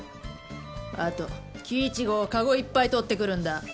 あとキイチゴをカゴいっぱいとってくるんだ。